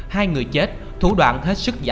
hai người chết thủ đoạn hết sức diễn